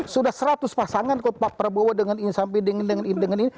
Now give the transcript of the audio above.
sudah seratus pasangan kok pak prabowo dengan ini sampai dengan ini